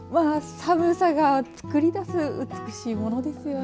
寒さがつくりだす美しいものですよね。